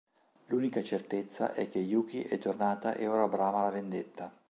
L'unica certezza è che Yuki è tornata e ora brama la vendetta.